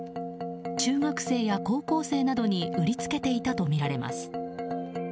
中学生や高校生などに売りつけていたとみられます。